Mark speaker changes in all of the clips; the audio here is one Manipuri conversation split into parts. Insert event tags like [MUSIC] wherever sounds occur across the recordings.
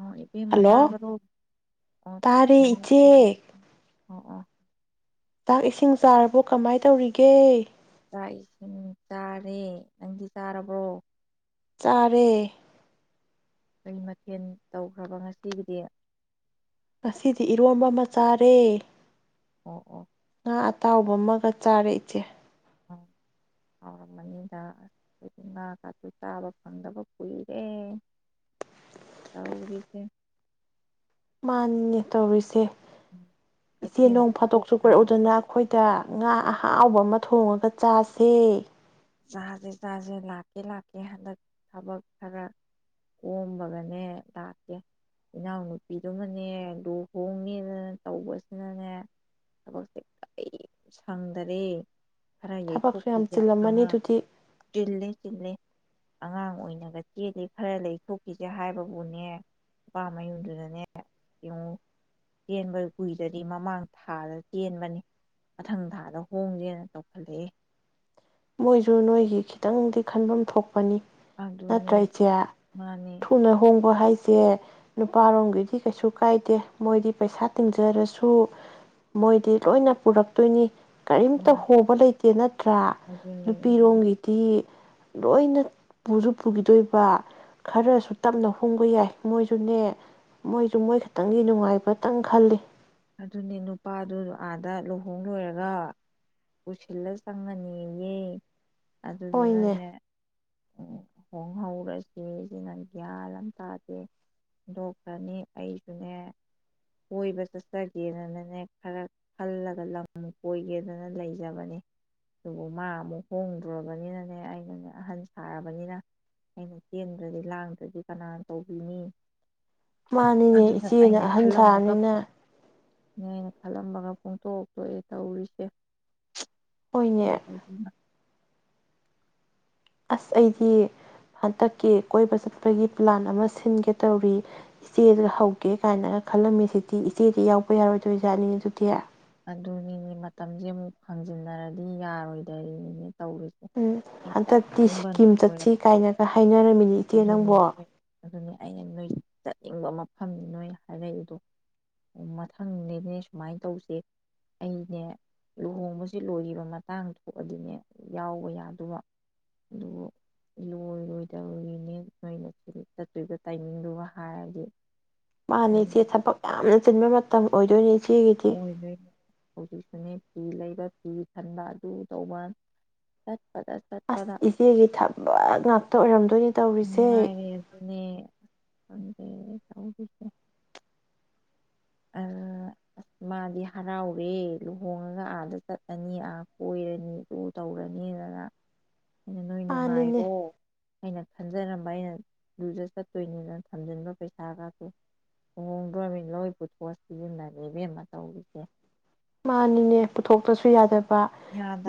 Speaker 1: ꯑꯣ ꯏꯕꯦꯝꯃ
Speaker 2: ꯍꯜꯂꯣ
Speaker 1: ꯇꯕ꯭ꯔꯣ ꯑꯣ
Speaker 2: ꯇꯥꯔꯦ ꯏꯆꯦ
Speaker 1: [INAUDIBLE] ꯑꯣ ꯑꯣ
Speaker 2: ꯆꯥꯛ ꯏꯁꯤꯡ ꯆꯥꯔꯕꯣ ꯀꯃꯥꯏ ꯇꯧꯔꯤꯒꯦ
Speaker 1: ꯆꯥꯛ ꯏꯁꯤꯡ ꯆꯔꯦ ꯅꯪꯗꯤ ꯆꯔꯕꯣ
Speaker 2: ꯆꯥꯔꯦ
Speaker 1: ꯀꯩ ꯃꯊꯦꯜ ꯇꯧꯈ꯭ꯔꯕ ꯉꯁꯤꯒꯤꯗꯤ
Speaker 2: ꯉꯁꯤꯗꯤ ꯏꯔꯣꯝꯕ ꯑꯃ ꯆꯔꯦ
Speaker 1: ꯑꯣ ꯑꯣ
Speaker 2: ꯉꯥ ꯑꯇꯥꯎꯕ ꯑꯃꯒ ꯆꯔꯦ ꯏꯆꯦ
Speaker 1: ꯑꯝ ꯍꯥꯎꯔꯝ ꯃꯅꯤꯗ ꯑꯩꯈꯣꯏꯗꯤ ꯉꯥꯒꯁꯦ ꯆꯥꯕ ꯐꯪꯗꯕ ꯀꯨꯏꯔꯦ ꯇꯧꯔꯤꯁꯦ
Speaker 2: ꯃꯅꯤꯅꯦ ꯇꯧꯔꯤꯁꯦ
Speaker 1: ꯎꯝ
Speaker 2: ꯏꯆꯦ ꯅꯣꯡ
Speaker 1: ꯀꯩꯊꯦꯜꯁꯨ
Speaker 2: ꯐꯗꯣꯛꯁꯨ ꯀꯣꯏꯔꯛ ꯎ
Speaker 1: ꯊꯣꯛꯇ꯭ꯔꯕꯅꯤ
Speaker 2: ꯗꯅ ꯑꯩꯈꯣꯏꯗ ꯉꯥ ꯑꯍꯥꯎꯕ ꯑꯃ ꯊꯣꯡꯉꯒ ꯆꯁꯦ
Speaker 1: ꯆꯁꯦ ꯆꯁꯦ ꯂꯛꯀꯦ ꯍꯟꯗꯛ ꯊꯕꯛ ꯈꯔ ꯀꯣꯝꯕꯒꯅꯦ ꯂꯥꯛꯀꯦ ꯏꯅꯥꯎ ꯅꯨꯄꯤ ꯗꯨꯅꯅꯦ ꯂꯨꯍꯣꯡꯅꯤꯅꯅꯦ ꯇꯧꯕꯁꯤꯅꯅꯦ ꯊꯕꯛꯁꯦ ꯀꯔꯤꯝ ꯁꯪꯗꯔꯦ ꯈꯔ ꯌꯩꯊꯣꯛ [INAUDIBLE]
Speaker 2: ꯃꯅꯤ ꯗꯨꯗꯤ
Speaker 1: ꯆꯤꯟꯂꯤ ꯑꯉꯥꯡ ꯑꯣꯏꯅꯒ ꯆꯦꯟꯂꯦ ꯈꯔ ꯌꯩꯊꯣꯛꯈꯤꯁꯦ ꯍꯥꯏꯕꯕꯨꯅꯦ ꯅꯨꯄꯥ ꯃꯌꯨꯝꯗꯨꯅꯅꯦ ꯌꯦꯡꯉꯨ ꯆꯦꯟꯕ ꯀꯨꯏꯗꯔꯤ ꯃꯃꯥꯡ ꯊꯥꯗ ꯆꯦꯟꯕꯅꯦ ꯃꯊꯪ ꯊꯥꯗ ꯍꯣꯡꯁꯦꯅ ꯇꯧꯈꯠ ꯂꯛꯑꯦ
Speaker 2: ꯃꯣꯏꯁꯨ ꯅꯣꯏꯒꯤ ꯈꯤꯇꯪꯗꯤ ꯈꯟꯐꯝ ꯊꯣꯛ ꯄꯅꯤ ꯅꯠꯇ꯭ꯔ
Speaker 1: ꯑꯗꯨꯅꯦ
Speaker 2: ꯏꯆꯦ
Speaker 1: ꯃꯥꯅꯦ
Speaker 2: ꯊꯨꯅ ꯍꯣꯡꯕ ꯍꯥꯏ ꯁꯦ ꯅꯨꯄꯥ ꯔꯣꯝꯒꯤꯗꯤ ꯀꯩꯁꯨ ꯀꯥꯏꯗꯦ ꯃꯣꯏꯗꯤ ꯄꯩꯁꯥ ꯇꯤꯡꯖꯔꯁꯨ ꯃꯣꯏꯗꯤ ꯂꯣꯏꯅ ꯄꯨꯔꯛꯇꯩꯅꯤ ꯀꯔꯤꯝꯇ
Speaker 1: ꯃꯥꯅꯦ
Speaker 2: ꯍꯣꯕ ꯂꯩꯇꯦ ꯅꯠꯇ꯭ꯔ
Speaker 1: ꯑꯗꯨꯅꯦ ꯑꯗꯨꯅꯦ
Speaker 2: ꯔꯣꯝꯒꯤꯗꯤ ꯂꯣꯏꯅ ꯄꯨꯁꯨ ꯄꯨꯈꯤꯗꯩꯕ ꯈꯔꯁꯨ ꯇꯞꯅ ꯍꯣꯡꯕ ꯌꯥꯏ ꯃꯣꯏꯁꯨꯅꯦ ꯃꯣꯏꯁꯨ ꯃꯣꯏꯈꯇꯪꯒꯤ ꯅꯨꯡꯉꯥꯏꯕꯇꯪ ꯈꯟꯂꯤ
Speaker 1: ꯑꯗꯨꯅꯦ ꯅꯨꯄꯥꯗꯨ ꯑꯥꯗ ꯂꯨꯍꯣꯡ ꯂꯣꯏꯔꯒ ꯄꯨꯁꯟꯂ ꯆꯪꯑꯅꯤ ꯑꯌꯦ
Speaker 2: ꯍꯣꯏꯅꯦ
Speaker 1: ꯑꯗꯨꯗꯨꯅꯅꯦ ꯍꯣꯡꯍꯧꯔꯁꯦꯁꯤꯅ ꯒ꯭ꯌꯥꯟ ꯑꯃ ꯇꯥꯗꯦ ꯗꯣꯛꯇ꯭ꯔꯅꯤ ꯑꯩꯁꯨꯅꯦ ꯀꯣꯏꯕ ꯆꯠꯁꯤ ꯆꯠꯆꯒꯦꯅꯅꯅꯦ ꯈꯔ ꯈꯜꯂꯒ ꯂꯝ ꯑꯃꯨꯛ ꯀꯣꯏꯒꯦꯗꯅ ꯂꯩꯖꯕꯅꯦ ꯑꯗꯨꯕꯨ ꯃꯥ ꯑꯃꯨꯛ ꯍꯣꯡꯗ꯭ꯔꯕꯅꯤꯅꯅꯦ ꯑꯩꯅꯅꯦ ꯑꯍꯟ ꯁꯥꯔꯕꯅꯤꯅ ꯑꯩꯅ ꯆꯦꯟꯗ꯭ꯔꯗꯤ ꯂꯥꯡꯗ꯭ꯔꯗꯤ ꯀꯅꯥꯅ ꯇꯧꯕꯤꯅꯤ
Speaker 2: ꯃꯥꯅꯤꯅꯦ ꯏꯆꯦꯅ ꯑꯍꯟ ꯁꯥꯔꯅꯤꯅ
Speaker 1: ꯎꯝ ꯈꯜꯂꯝꯕꯒ ꯄꯨꯡꯊꯣꯛ ꯇꯣꯛꯑꯦ ꯇꯧꯔꯤꯁꯦ
Speaker 2: ꯍꯣꯏꯅꯦ
Speaker 1: [INAUDIBLE]
Speaker 2: ꯑꯁ ꯑꯩꯗꯤ ꯍꯟꯗꯛꯀꯤ ꯀꯣꯏꯕ ꯆꯠꯄꯒꯤ ꯄ꯭ꯂꯥꯟ ꯑꯃ ꯁꯤꯟꯒꯦ ꯇꯧꯔꯤ ꯏꯆꯦꯗ ꯍꯧꯒꯦ ꯀꯥꯏꯅꯒ ꯈꯜꯂꯝꯃꯤ ꯁꯤꯗꯤ ꯏꯆꯦꯗꯤ ꯌꯥꯎꯕ ꯌꯥꯔꯣꯏꯗꯣꯏꯖꯥꯠꯅꯤꯅꯦ ꯑꯗꯨꯗꯤ
Speaker 1: ꯑꯗꯨꯅꯤꯅꯦ ꯃꯇꯝꯁꯦ ꯑꯃꯨꯛ ꯐꯥꯡꯖꯤꯟꯅꯔꯗꯤ ꯌꯥꯔꯣꯏꯗꯔꯤꯅꯤꯅꯦ ꯇꯧꯔꯤꯁꯦ
Speaker 2: ꯎꯝ
Speaker 1: ꯑꯩ
Speaker 2: ꯍꯟꯗꯛꯇꯤ
Speaker 1: ꯆꯠꯅꯤꯡꯕ
Speaker 2: ꯁꯤꯀꯤꯝ
Speaker 1: ꯂꯣꯏꯔꯕ
Speaker 2: ꯆꯠꯁꯤ ꯀꯥꯏꯅꯒ ꯍꯥꯏꯅꯔꯝꯃꯤꯅꯤ ꯏꯆꯦ
Speaker 1: ꯑꯗꯨꯅꯤ
Speaker 2: ꯅꯪꯕꯣ
Speaker 1: ꯑꯩ ꯑꯗꯨꯅꯤ ꯑꯩꯅ ꯅꯣꯏꯗ-ꯗ ꯏꯪꯕ ꯃꯐꯝꯅꯤ ꯅꯣꯏꯅ ꯍꯥꯏꯔꯛꯏꯗꯣ ꯃ-ꯃꯊꯪꯗꯩꯗꯤ ꯁꯨꯃꯥꯏ ꯇꯧꯁꯤ ꯑꯩꯅꯦ ꯂꯨꯍꯣꯡꯕꯖꯤ ꯂꯣꯏꯒꯤꯕ ꯃꯇꯥꯡ ꯊꯣꯛꯑꯗꯤꯅꯦ ꯌꯥꯎꯕ ꯌꯥꯗꯨꯕ ꯑꯗꯨꯕꯨ ꯂꯣꯏꯔꯣꯏꯗ [UNINTELLIGIBLE] ꯅꯦ ꯍꯥꯏꯅ ꯆꯠꯇꯨꯏꯕ ꯇꯥꯏꯃꯤꯡꯗꯨꯒ ꯍꯥꯏꯔꯗꯤ
Speaker 2: ꯃꯅꯤ
Speaker 1: ꯑꯗꯨꯅ
Speaker 2: ꯏꯆꯦ ꯊꯕꯛ ꯌꯥꯝꯅ ꯆꯤꯟꯕ ꯃꯇꯝ ꯑꯣꯏꯗꯣꯏꯅꯦ ꯏꯆꯦꯒꯤꯗꯤ
Speaker 1: ꯑꯣꯏꯗꯨꯏꯅꯤ [UNINTELLIGIBLE] ꯐꯤ ꯂꯩꯕ ꯐꯤ ꯈꯟꯕ ꯑꯗꯨ ꯇꯧꯕ ꯆꯠꯄꯗ
Speaker 2: ꯑꯁ
Speaker 1: ꯆꯠꯄꯗ
Speaker 2: ꯏꯆꯦꯒꯤ ꯊꯕꯛ ꯉꯥꯛꯇ ꯑꯣꯏꯔꯝꯗꯣꯏꯅꯦ ꯇꯧꯔꯤꯁꯦ
Speaker 1: ꯉꯥꯏꯔꯦ [UNINTELLIGIBLE] ꯑ꯭ꯔ-ꯔ ꯃꯥꯗꯤ ꯍꯔꯥꯎꯋꯦ ꯂꯨꯍꯣꯡꯉꯥꯒ ꯑꯗꯥ ꯆꯠꯂꯥꯅꯤ ꯑꯥ-ꯀꯣꯏꯔꯅꯤ ꯑꯗꯨ ꯇꯧꯔꯅꯤꯅ ꯅꯣꯏ
Speaker 2: ꯃꯥꯅꯤꯅꯦ
Speaker 1: ꯅꯨꯡꯉꯥꯏꯔꯣ ꯑꯩꯅ ꯍꯟꯖꯔꯝꯕ ꯑꯩꯅ ꯗꯨꯗ ꯆꯠꯇꯣꯏꯅꯤꯅ ꯊꯝꯖꯤꯟꯕ ꯄꯩꯁꯥꯒꯥꯁꯦ ꯂꯣꯏꯗꯨꯏꯔꯝꯃꯦ ꯂꯣꯏ ꯄꯣꯁ ꯁꯤꯖꯤꯟꯅꯔꯦ ꯏꯕꯦꯝꯃ ꯇꯧꯔꯤꯁꯦ
Speaker 2: ꯃꯥꯅꯤꯅꯦ ꯄꯨꯊꯣꯛꯇ꯭ꯔꯥꯁꯨ ꯌꯥꯗ ꯄ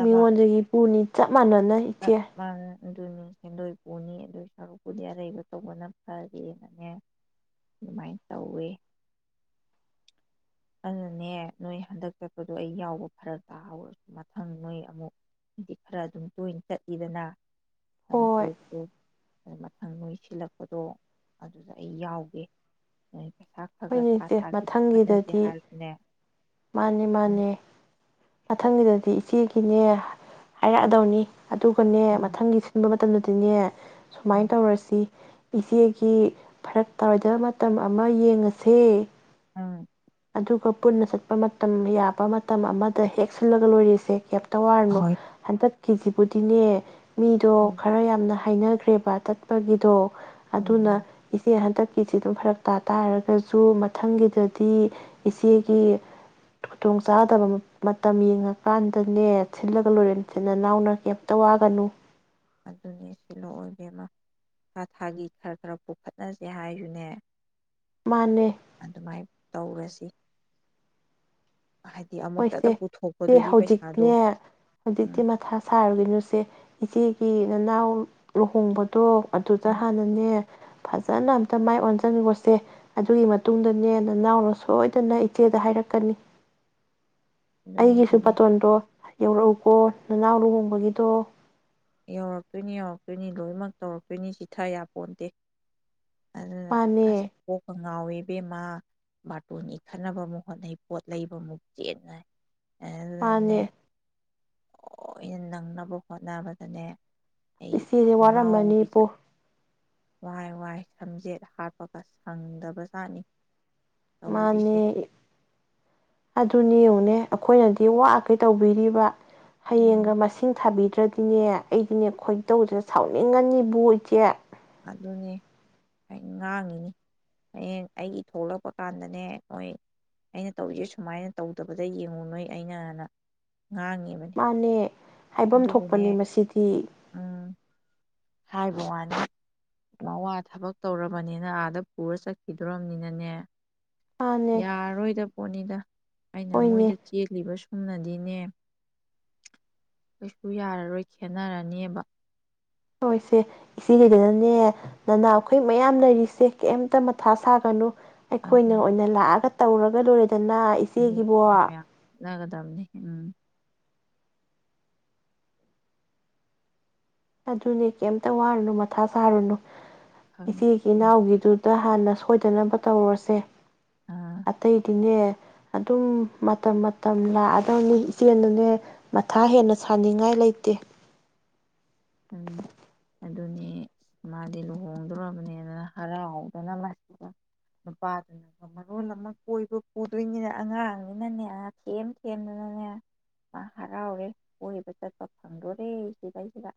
Speaker 2: ꯃꯤꯉꯣꯟꯗꯒꯤ ꯄꯨꯅꯤ ꯆꯞ ꯃꯟꯅ
Speaker 1: ꯆꯠ ꯄꯥꯟꯅꯩ ꯑꯗꯨꯅꯤ ꯁꯦꯟꯗꯣꯏ ꯄꯨꯅꯤ ꯑꯗꯨ ꯁꯔꯨꯛꯄꯨꯗꯤ ꯑꯔꯩꯕ ꯇꯧꯕꯅ ꯐꯥꯔꯦꯅꯅꯦ ꯑꯗꯨꯃꯥꯏ ꯇꯧꯋꯦ꯫ ꯑꯗꯨꯅꯅꯦ ꯅꯣꯏ ꯍꯟꯗꯛ ꯆꯠꯄꯗꯣ ꯑꯩꯪꯥ ꯌꯥꯎꯕ ꯐꯔꯛ ꯇꯥꯍꯧꯔꯦ ꯃꯊꯪ ꯅꯣꯏ ꯑꯃꯨꯛ ꯕꯤꯠ ꯈꯔ ꯑꯗꯨꯝ ꯇꯣꯢꯅ ꯆꯠꯂꯤꯗꯅ ꯂꯝ
Speaker 2: ꯍꯣꯏ
Speaker 1: ꯀꫭꯏꯕꯗꫭ ꯃꯊꯪ ꯅꯣꯏ ꯁꯤꯟꯂꯛꯄꯗꯣ ꯑꯗꯨꯗ ꯑꯩ ꯌꯥꯎꯒꯦ ꯎꯝ ꯄꯩꯁꯥ ꯈꯔ ꯈꯔ
Speaker 2: ꯍꯣꯏꯅꯦ
Speaker 1: ꯊꯥ-ꯊꯥꯒꯤ ꯄꯨꯈꯠꯅꯁꯦ ꯍꯥꯏꯔꯁꯨꯅꯦ
Speaker 2: ꯃꯥꯟꯅꯤ
Speaker 1: ꯎꯝ
Speaker 2: ꯃꯥꯟꯅꯦ ꯃꯊꯪꯒꯤꯗꯗꯤ ꯏꯆꯦꯒꯤꯅꯦ ꯍꯥꯏꯔꯛꯑꯗꯧꯅꯤ ꯑꯗꯨꯒꯅꯦ
Speaker 1: ꯎꯝ
Speaker 2: ꯃꯊꯪꯒꯤ ꯁꯤꯟꯕ ꯃ [UNINTELLIGIBLE] ꯁꯨꯃꯥꯏ
Speaker 1: ꯎꯝ
Speaker 2: ꯇꯧꯔꯁꯤ ꯏꯆꯦꯒꯤ ꯐꯔꯛ ꯇꯥꯔꯣꯏꯗꯕ ꯃꯇꯝ ꯑꯃ ꯌꯦꯡꯉꯥꯁꯦꯌ
Speaker 1: ꯎꯝ
Speaker 2: ꯑꯗꯨꯒ ꯄꯨꯟꯅ ꯆꯠꯄ ꯃꯇꯝ ꯌꯥꯕ ꯃꯇꯝ ꯑꯃꯗ ꯍꯦꯛ ꯁꯤꯜꯂꯗ ꯂꯣꯏꯔꯦꯁꯦ ꯇꯧꯋꯥꯔꯅꯣ
Speaker 1: ꯍꯣꯏ
Speaker 2: ꯍꯟꯇꯛ [UNINTELLIGIBLE] ꯃꯤꯗꯣ
Speaker 1: ꯎꯝ
Speaker 2: ꯈꯔ ꯌꯥꯝꯅ ꯍꯥꯏꯅꯈꯔ꯭ꯦꯕ [UNINTELLIGIBLE]
Speaker 1: ꯎꯝ
Speaker 2: ꯑꯗꯨꯅ
Speaker 1: ꯎꯝ
Speaker 2: ꯏꯆꯦ ꯍꯟꯇꯛ [UNINTELLIGIBLE] [UNINTELLIGIBLE] ꯃꯊꯪꯒꯤꯗꯗꯤ ꯏꯆꯦꯒꯤ ꯈꯨꯗꯣꯡ ꯆꯥꯗꯕ ꯃꯇꯝ ꯌꯦꯉꯥꯀꯥꯟꯗꯅꯦ [UNINTELLIGIBLE] [UNINTELLIGIBLE]
Speaker 1: ꯑꯗꯨꯅꯤ [UNINTELLIGIBLE] ꯊꯥ ꯊꯥꯒꯤ ꯈꯔ ꯈꯔ ꯄꯨꯈꯠꯅꯁꯦ ꯍꯥꯏꯌꯨꯅꯦ
Speaker 2: ꯃꯥꯅꯦ
Speaker 1: ꯑꯗꯨꯃꯥꯏ ꯇꯧꯔꯁꯤ ꯍꯥꯏꯗꯤ
Speaker 2: ꯍꯣꯏ
Speaker 1: ꯑꯃꯨꯛꯇꯗ
Speaker 2: ꯏꯆꯦ ꯏꯆꯦ
Speaker 1: ꯄꯨꯊꯣꯛꯄꯗꯨꯗꯤ ꯄꯩꯁꯥꯗꯣ
Speaker 2: ꯍꯧꯖꯤꯛꯇꯤꯅꯦ
Speaker 1: ꯎꯝ
Speaker 2: [UNINTELLIGIBLE] ꯃꯊꯥ ꯁꯥꯔꯨꯈꯤꯅꯨꯁꯦ ꯏꯆꯦꯒꯤ ꯅꯅꯥꯎ ꯂꯨꯍꯣꯡꯕꯗꯣ ꯑꯗꯨꯗ ꯍꯥꯟꯅꯅꯦ ꯐꯖꯅ ꯑꯝꯇ ꯃꯥꯏ ꯑꯣꯟꯖꯟꯒꯣꯁꯦ ꯑꯗꯨꯏ ꯃꯇꯨꯡꯗꯅꯦ ꯅꯅꯥꯎꯅ ꯁꯣꯏꯗꯅ ꯏꯆꯦꯗ ꯍꯥꯏꯔꯛꯀꯅꯤ
Speaker 1: ꯑꯗꯨꯅꯤ
Speaker 2: ꯑꯩꯒꯤꯁꯨ
Speaker 1: ꯑꯗꯨꯅꯤ
Speaker 2: ꯕꯥꯇꯣꯟꯗꯣ ꯌꯧꯔꯛꯎꯀꯣ ꯅꯅꯥꯎ ꯂꯨꯍꯣꯡꯕꯒꯤꯗꯣ
Speaker 1: ꯌꯧꯔꯛꯇꯣꯏꯅꯤ ꯌꯧꯔꯛꯇꯣꯏꯅꯤ ꯂꯣꯏꯅꯃꯛ ꯇꯧꯔꯛꯇꯣꯏꯅꯤ ꯆꯤꯊ ꯌꯥ ꯄꯣꯟꯇꯦ ꯑꯗꯨꯅ
Speaker 2: ꯃꯥꯅꯦ
Speaker 1: ꯑꯁ ꯀꯣꯛꯀ ꯉꯥꯎꯋꯦ ꯕꯦꯝꯃꯥ ꯕꯥꯇꯣꯟꯒꯤ ꯈꯠꯅꯕ ꯑꯃꯨꯛ ꯍꯣꯠꯅꯩ ꯄꯣꯠ ꯂꯩꯕ ꯑꯃꯨꯛ ꯆꯦꯟꯅꯩ
Speaker 2: ꯃꯥꯥꯅꯦ
Speaker 1: ꯂꯣꯏ ꯅꯪꯅꯕ ꯍꯣꯠꯅꯕ ꯑꯅꯦ
Speaker 2: ꯏꯆꯦꯁꯦ ꯋꯥꯔꯝꯃꯅꯤꯕꯨ
Speaker 1: ꯋꯥꯔꯦ ꯋꯥꯔꯦ ꯁꯝꯖꯦꯠ ꯍꯥꯠꯄꯒ ꯁꯪꯗꯕꯖꯥꯠꯅꯤ
Speaker 2: ꯃꯥꯅꯦ ꯑꯗꯨꯅꯤ ꯌꯦꯉꯨꯅꯦ ꯑꯈꯣꯏꯅꯗꯤ ꯋꯥꯈꯩ ꯇꯧꯕꯤꯔꯤꯕ ꯍꯌꯦꯡꯒ
Speaker 1: ꯎꯝ
Speaker 2: ꯃꯁꯤꯡ ꯊꯥꯕꯤ [UNINTELLIGIBLE] ꯑꯩꯗꯤꯅꯦ ꯈꯣꯏꯗꯧꯁꯦ ꯁꯥꯎꯅꯤꯡꯉꯅꯤꯕꯨ ꯏꯆꯦ
Speaker 1: ꯑꯗꯨꯅꯦ ꯉꯥꯡꯉꯤꯅꯤ ꯍꯌꯦꯡ ꯑꯩꯒꯤ ꯊꯣꯛꯂꯛꯄ ꯀꯥꯟꯗꯅꯦ ꯅꯣꯏ ꯑꯩꯅ ꯇꯧꯔꯤꯁꯦ ꯁꯨꯃꯥꯏꯅ ꯇꯧꯗꯕꯗ ꯌꯦꯡꯉꯨ ꯅꯣꯏ ꯑꯩꯅꯅ ꯉꯥꯡꯉꯤꯕꯅꯤ
Speaker 2: ꯃꯥꯅꯦ ꯍꯥꯏꯕꯝ
Speaker 1: ꯑꯗꯨꯕꯨꯅꯦ
Speaker 2: ꯊꯣꯛꯄꯅꯦ ꯃꯁꯤꯗꯤ
Speaker 1: ꯎꯝ ꯍꯥꯏꯕ ꯋꯥꯅꯤ ꯃꯋꯥ ꯊꯕꯛ ꯇꯧꯔꯕꯅꯤꯅ ꯑꯥꯗ ꯄꯨꯔ ꯆꯠꯈꯤꯗꯣꯔꯕꯅꯤꯅꯅꯦ
Speaker 2: ꯃꯥꯅꯦ
Speaker 1: ꯌꯥꯔꯣꯏꯗ [UNINTELLIGIBLE] ꯅꯤꯗ ꯑꯩꯅ ꯃꯣꯏꯗ
Speaker 2: ꯍꯣꯏꯅꯦ
Speaker 1: ꯆꯦꯜꯂꯤꯕ ꯁꯨꯝꯅꯗꯤꯅꯦ ꯀꯩꯁꯨ ꯌꯥꯔꯔꯣꯏ ꯈꯦꯠꯅꯔꯅꯦꯕ
Speaker 2: ꯍꯣꯏꯁꯦ ꯏꯆꯦꯒꯤꯗꯅꯅꯦ ꯅꯅꯥꯎꯈꯣꯏ ꯃꯌꯥꯝ ꯂꯩꯔꯤꯁꯦ ꯀꯩꯝꯇ ꯃꯊꯥ ꯁꯥꯒꯅꯨ ꯑꯩꯈꯣꯏꯅ
Speaker 1: ꯑꯗꯨꯅꯤ
Speaker 2: ꯑꯣꯏꯅ ꯂꯥꯛꯑꯒ ꯇꯧꯔ [UNINTELLIGIBLE]
Speaker 1: [UNINTELLIGIBLE] ꯎꯝ
Speaker 2: ꯑꯗꯨꯅꯦ ꯀꯩꯝꯇ ꯋꯥꯔꯨꯅꯨ ꯃꯊꯥ ꯁꯥꯔꯨꯅꯨ
Speaker 1: ꯈꯪꯗꯦ
Speaker 2: ꯏꯆꯦ
Speaker 1: ꯈꯪꯗꯦ
Speaker 2: ꯏꯅꯥꯎꯒꯤꯗꯨꯗ ꯍꯥꯟꯅ ꯀꯣꯏꯗꯅꯕ ꯇꯧꯔꯁꯦ
Speaker 1: ꯑꯥ
Speaker 2: ꯑꯇꯩꯗꯤꯅꯦ ꯑꯗꯨꯝ ꯃꯇꯝ ꯃꯇꯝ ꯂꯥꯛꯑꯗꯧꯅꯤ ꯏꯆꯦ ꯅꯅꯦ ꯃꯊꯥ ꯍꯦꯟꯅ ꯁꯥꯅꯤꯡꯉꯥꯏ ꯂꯩꯇꯦ
Speaker 1: ꯎꯝ ꯑꯗꯨꯅꯦ ꯃꯥꯗꯤ ꯂꯨꯍꯣꯡꯗꯣꯔꯕꯅꯤꯗꯅ ꯍꯔꯥꯎꯗꯅ ꯃꯥꯁꯤꯗ ꯅꯨꯄꯥꯗꯨꯅ ꯃꯔꯣꯜ ꯑꯃ ꯀꯣꯏꯕ ꯄꯨꯗꯣꯏꯅꯤꯅ ꯑꯉꯥꯡꯅꯤꯅꯅꯦ ꯊꯦꯝ ꯊꯦꯝꯗꯅꯅꯦ ꯃꯥ ꯍꯔꯥꯎꯔꯦ ꯀꯣꯏꯕ ꯆꯠꯄ ꯐꯪꯗꯣꯔꯦ ꯁꯤꯗꯩꯁꯤꯗ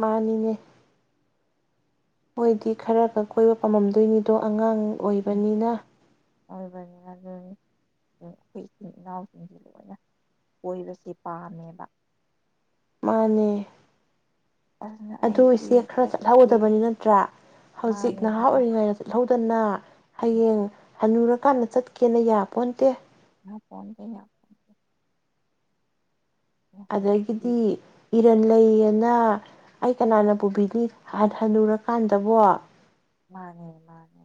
Speaker 2: ꯃꯥꯅꯤꯅꯦ ꯃꯣꯏꯗꯤ ꯈꯔꯒ ꯀꯣꯏꯕ ꯄꯥꯝꯃꯝꯗꯣꯏꯅꯤꯗꯣ ꯑꯉꯥꯡ ꯑꯣꯏꯕꯅꯤꯅ
Speaker 1: ꯑꯣꯏꯕꯅꯤ ꯑꯗꯨꯅꯤ ꯑꯩꯈꯣꯏ ꯏꯆꯤꯜ ꯏꯅꯥꯎꯁꯤꯡꯁꯦ ꯂꯣꯏꯅ ꯀꯣꯏꯕꯁꯦ ꯄꯥꯝꯃꯦꯕ
Speaker 2: ꯃꯥꯅꯦ
Speaker 1: ꯑꯗꯨꯅ
Speaker 2: ꯑꯗꯨ
Speaker 1: ꯑꯩꯁꯦ
Speaker 2: ꯏꯆꯦ ꯈꯔ
Speaker 1: ꯆꯠꯀꯦ
Speaker 2: ꯆꯠꯍꯧꯒꯗꯕꯅꯤ ꯅꯠꯇ꯭ꯔꯥ ꯍꯧꯖꯤꯛ ꯅꯍꯥ ꯑꯣꯏꯔꯤꯉꯩꯗ ꯆꯠꯍꯧꯗꯅ ꯍꯌꯦꯡ ꯍꯅꯨꯔ ꯃꯥꯅ ꯆꯠꯀꯦꯅ ꯌꯥꯄꯣꯟꯇꯦ
Speaker 1: [UNINTELLIGIBLE] ꯍꯧꯖꯤꯛꯇꯤ
Speaker 2: ꯑꯗꯒꯤꯗꯤ ꯏ ꯂꯩꯌꯦꯅ ꯑꯩ ꯀꯅꯥꯅ ꯄꯨꯕꯤꯅꯤ ꯍꯅꯨꯔꯀꯥꯟꯗꯕꯣ
Speaker 1: ꯃꯥꯅꯦ ꯃꯥꯅꯦ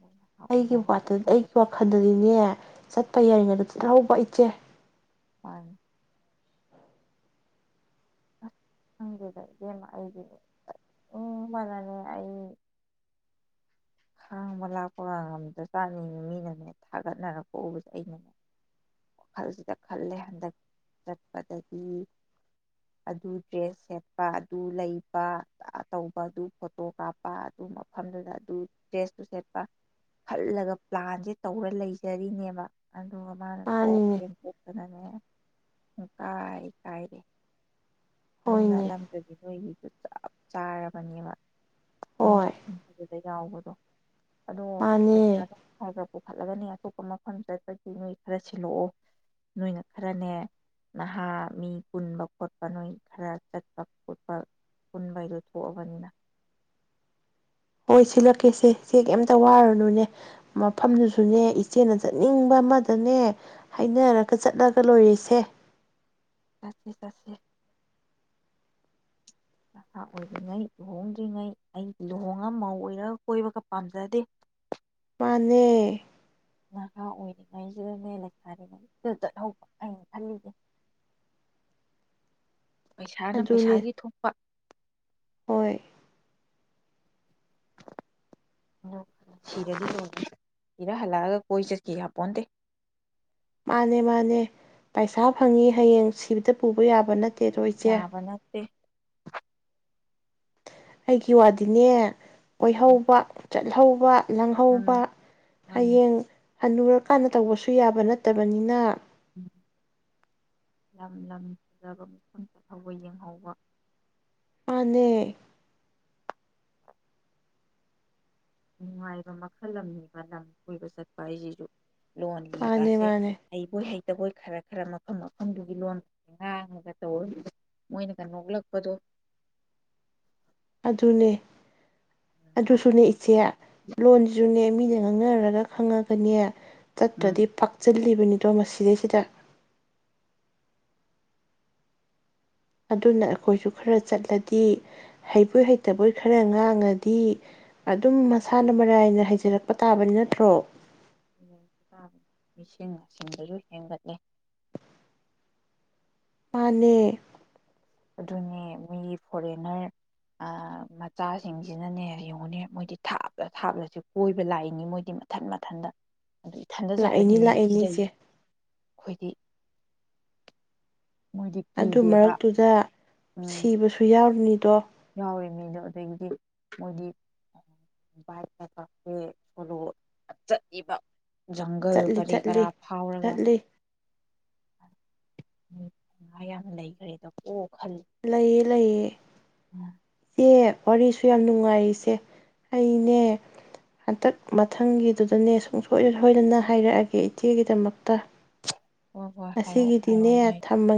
Speaker 1: ꯅꯍꯥ
Speaker 2: ꯑꯩꯒꯤ
Speaker 1: ꯑꯣꯏꯔꯤꯉꯩꯗ
Speaker 2: ꯋꯥ
Speaker 1: ꯆꯠꯍꯧꯕ
Speaker 2: ꯑꯩꯒꯤ ꯋꯥꯈꯜꯗꯗꯤꯅꯦ ꯆꯠꯄ ꯌꯥꯏꯔꯤꯉꯩꯗ ꯆꯠꯍꯧꯕ ꯍꯣꯏ ꯏꯆꯦ
Speaker 1: ꯃꯥꯅꯤ ꯈꯪꯗꯦꯗ ꯏꯕꯦꯃ ꯑꯩꯗꯤ ꯎ ꯃꯅꯅꯦ ꯑꯩ ꯈꯥꯡꯕ ꯂꯥꯛꯄꯒ ꯉꯝꯗ ꯖꯥꯠꯅꯤ ꯃꯤꯅꯅꯦ ꯊꯥꯒꯠꯅꯔꯛꯄ ꯎꯕꯁꯦ ꯑꯩꯅꯅꯦ ꯋꯥꯈꯜꯁꯤꯗ ꯈꯜꯂꯦ ꯍꯟꯗꯛ ꯆꯠꯄꯗꯒꯤ ꯑꯗꯨ ꯗ꯭ꯔꯦꯁ ꯁꯦꯠꯄ ꯑꯗꯨ ꯂꯩꯕ ꯇꯧꯕ ꯑꯗꯨ ꯐꯣꯇꯣ ꯀꯥꯞꯄ ꯑꯗꯨ ꯃꯐꯝꯗꯨꯗ ꯑꯗꯨ ꯗ꯭ꯔꯦꯁꯇꯨ ꯁꯦꯠꯄ ꯈꯜꯂꯒ ꯄ꯭ꯂꯥꯟꯁꯦ ꯇꯧꯔ ꯂꯩꯖꯔꯤꯅꯦꯕ ꯑꯗꯨꯒ ꯃꯥꯅ ꯊꯣꯛ
Speaker 2: ꯃꯥꯅꯤꯅꯦ
Speaker 1: ꯌꯦꯊꯣꯛ ꯑꯗꯨꯅꯅꯦ ꯄꯨꯡꯀꯥꯏ ꯀꯥꯏꯔꯦ ꯑꯗꯨ ꯅ
Speaker 2: ꯍꯣꯏꯅꯦ
Speaker 1: ꯂꯝ ꯑꯃ ꯀꯗꯤ ꯍ ꯆꯞ ꯆꯥꯔꯕꯅꯦꯕ
Speaker 2: ꯍꯣꯏ
Speaker 1: ꯑ [INAUDIBLE] ꯑꯗꯣ
Speaker 2: ꯃꯥꯅꯦ
Speaker 1: ꯄꯩꯁꯥꯗꯣ ꯈꯔ ꯈꯔ ꯆꯠꯂꯒꯅꯤ ꯑꯇꯣꯞꯄ ꯃꯐꯝ ꯆꯠꯄꯗꯤ ꯅꯣꯏ ꯈꯔ ꯁꯤꯜꯂꯛꯑꯣ ꯅꯣꯏꯅ ꯈꯔꯅꯦ ꯅꯍꯥ ꯃꯤ ꯄꯨꯟꯕ ꯈꯣꯠꯄ ꯅꯣꯏ ꯈꯔ ꯆꯠꯄ ꯈꯣꯠꯄ ꯄꯨꯟꯕꯩꯗꯣ ꯊꯣꯛꯑꯕꯅꯤꯅ
Speaker 2: ꯍꯣꯏ ꯁꯤꯜꯂꯛꯀꯦꯁꯦ ꯏꯆꯦ ꯀꯩꯝꯇ ꯋꯥꯔꯅꯨꯅꯦ ꯃꯐꯝꯗꯨꯁꯨꯅꯦ ꯏꯆꯦꯅ ꯆꯠꯅꯤꯡꯕ ꯑꯃꯗꯅꯦ ꯍꯥꯏꯅꯔꯒ ꯆꯠꯂꯒ ꯂꯣꯏꯔꯦꯁꯦ
Speaker 1: ꯆꯠꯁꯤ ꯆꯠꯁꯤ ꯅꯍꯥ ꯑꯣꯏꯔꯤꯉꯩ ꯂꯨꯍꯣꯡꯗ꯭ꯔꯤꯉꯩ ꯑꯩ ꯂꯨꯍꯣꯡꯉꯒ ꯃꯧ ꯑꯣꯏꯔꯒ ꯀꯣꯏꯕꯒ ꯄꯥꯝꯖꯗꯦ
Speaker 2: ꯃꯥꯅꯦ
Speaker 1: ꯅꯍꯥ ꯑꯣꯏꯔꯤꯉꯩꯁꯤꯗꯅꯦ ꯂꯩꯁꯥꯔꯤꯉꯩꯁꯤꯗ ꯆꯠꯍꯧꯕ ꯑꯩꯅ ꯈꯜꯂꯤꯁꯦ ꯄꯩꯁꯥꯅ
Speaker 2: ꯑꯗꯨꯅꯦ
Speaker 1: ꯄꯩꯁꯥꯒꯤ ꯊꯣꯛꯄ
Speaker 2: ꯍꯣꯏ
Speaker 1: ꯁꯤꯔꯗꯤ ꯂꯣꯏꯔꯦ ꯁꯤꯕ ꯍꯟꯂꯛꯂꯒ ꯀꯣꯏꯕ ꯆꯠꯀꯦ ꯌꯥꯄꯣꯟꯇꯦ
Speaker 2: ꯃꯥꯅꯦ ꯃꯥꯅꯦ ꯄꯩꯁꯥ ꯐꯪꯉꯤ ꯍꯌꯦꯡ ꯁꯤꯕꯗ ꯄꯨꯕ ꯌꯥꯕ ꯅꯠ
Speaker 1: ꯌꯥꯕ ꯅꯠꯇꯦ
Speaker 2: ꯑꯩꯒꯤ ꯋꯥꯗꯤꯅꯦ
Speaker 1: ꯎꯝ
Speaker 2: ꯀꯣꯏꯍꯧꯕ꯫ ꯆꯠꯍꯧꯕ
Speaker 1: ꯎꯝ
Speaker 2: ꯂꯥꯡꯍꯧꯕ
Speaker 1: ꯃꯥꯅꯤ
Speaker 2: ꯍꯌꯦꯡ ꯍꯟꯅꯨꯔꯀꯥꯟꯗ ꯇꯧꯕꯁꯨ ꯌꯥꯕ ꯅꯠꯇꯕꯅꯤꯅ
Speaker 1: ꯎꯝ ꯂꯝ ꯂꯝ ꯐꯖꯕ ꯃꯐꯝ ꯆꯠꯍꯧꯕ ꯌꯦꯡꯍꯧꯕ꯫
Speaker 2: ꯃꯥꯟꯅꯦ꯫
Speaker 1: [UNINTELLIGIBLE] [INAUDIBLE] ꯅꯨꯡꯉꯥꯏꯕ ꯃꯈꯜ ꯑꯃꯅꯤꯕ ꯂꯝ ꯀꯣꯏꯕ ꯆꯠꯄ ꯍꯥꯏꯖꯤꯖꯨ꯫ ꯂꯣꯟ ꯂꯤ
Speaker 2: ꯃꯥꯅꯦ
Speaker 1: ꯀꯥꯁꯦ
Speaker 2: ꯃꯥꯅꯦ
Speaker 1: ꯍꯩꯕꯣꯏ ꯍꯩ ꯇꯕꯣꯏ ꯈꯔ ꯈꯔ ꯃꯐꯝ ꯃꯐꯝꯗꯨꯒꯤ ꯂꯣꯟ ꯉꯥꯡꯉꯒ ꯇꯧꯕꯗꯨꯗ ꯃꯣꯏꯅꯒ ꯅꯣꯛꯂꯛꯄꯗꯣ
Speaker 2: ꯑꯗꯨꯅꯦ꯫
Speaker 1: ꯅꯨꯡꯉꯥꯏ
Speaker 2: ꯑꯗꯨꯁꯨꯅꯦ ꯏꯆꯦ ꯂꯣꯟꯖꯨꯅꯦ ꯃꯤꯅ ꯉꯥꯡꯅꯔꯒ ꯈꯪꯉꯒꯅꯦ
Speaker 1: ꯎꯝ
Speaker 2: ꯆꯠꯇ꯭ꯔꯗꯤ ꯐꯛꯆꯜꯂꯤ꯫ ꯅꯤꯗꯣ ꯃꯁꯤꯗꯩꯁꯤꯗ ꯑꯗꯨꯅ ꯑꯩꯈꯣꯏꯁꯨ ꯈꯔ ꯆꯠꯂꯗꯤ ꯍꯩꯕꯣꯏ ꯍꯩꯇꯕꯣꯏ ꯈꯔ ꯉꯥꯡꯉꯗꯤ ꯑꯗꯨꯝ ꯃꯁꯥꯅ ꯃꯔꯥꯏꯅ ꯍꯩꯖꯔꯛꯄ ꯇꯥꯕꯅꯤ ꯅꯠꯇ꯭ꯔꯣ꯫
Speaker 1: ꯎꯝ ꯇꯥꯕꯅꯤ ꯃꯤꯁꯤꯡ ꯅꯥꯁꯤꯡꯕꯁꯨ ꯍꯦꯟꯒꯠꯂꯦ꯫
Speaker 2: ꯃꯥꯟꯅꯦ꯫
Speaker 1: ꯑꯗꯨꯅꯦ ꯃꯤꯒꯤ ꯐꯣꯔꯦꯟꯅ꯭ꯔ ꯑꯥ ꯃꯆꯥꯁꯤꯡꯖꯤꯅꯅꯦ ꯌꯦꯡꯉꯨꯅꯦ ꯃꯣꯏꯗꯤ ꯊꯥꯞꯂ ꯊꯥꯞꯂꯕꯁꯦ ꯀꯣꯏꯕ ꯂꯥꯛꯏꯅꯤ ꯃꯣꯏꯗꯤ ꯃꯊꯟ ꯃꯊꯟꯇ꯫ ꯑꯗꯨ ꯏꯊꯟꯇ
Speaker 2: ꯂꯥꯛꯏꯅꯤ
Speaker 1: ꯆꯠꯄꯗꯗꯤ
Speaker 2: ꯂꯥꯛꯏꯅꯤ ꯏꯆꯦ
Speaker 1: ꯀꯤꯖꯩꯌꯦ꯫ ꯑꯩꯈꯣꯗꯤ
Speaker 2: ꯑꯗꯨ ꯃꯔꯛꯇꯨꯗ ꯁꯤꯕꯁꯨ ꯌꯥꯎꯔꯤꯅꯤ꯫
Speaker 1: ꯌꯥꯎꯔꯤꯃꯤꯗꯣ ꯑꯗꯩꯗꯤ ꯃꯣꯏꯗꯤ ꯚꯥ꯭ꯀꯏ ꯇ ꯀꯥꯁꯦ ꯁꯣꯂꯣ ꯆꯠꯂꯤꯕ ꯖꯪꯒꯜ
Speaker 2: ꯆꯠꯂꯤ
Speaker 1: ꯀꯔꯤ
Speaker 2: ꯆꯠꯂꯤ
Speaker 1: ꯀꯔꯥ ꯐꯥꯎꯔꯒ꯫
Speaker 2: ꯆꯠꯂꯤ
Speaker 1: [UNINTELLIGIBLE] ꯌꯥꯝ ꯂꯩꯈꯒ꯭ꯔꯦꯗ ꯀꯣ꯫
Speaker 2: ꯂꯩꯌꯦ ꯂꯩꯌꯦ꯫ ꯏꯆꯦ ꯋꯥꯔꯤꯁꯨ ꯌꯥꯝ ꯅꯨꯡꯉꯥꯏꯔꯤꯁꯦ ꯑꯩꯅꯦ ꯍꯟꯇꯛ ꯃꯊꯪꯒꯤꯗꯨꯗꯅꯦ ꯁꯨꯡꯁꯣꯏ ꯁꯣꯏꯗꯅ ꯍꯥꯏꯔꯛꯑꯒꯦ ꯏꯆꯦꯒꯤꯗꯃꯛꯇ꯫
Speaker 1: ꯍꯣꯏ ꯍꯣꯏ ꯍꯥꯏꯔꯛꯑꯣ ꯍꯥꯏꯔꯛꯑꯣ
Speaker 2: ꯉꯁꯤꯒꯤꯗꯤꯅꯦ
Speaker 1: ꯅꯣꯏ
Speaker 2: ꯊꯃꯒꯦ꯫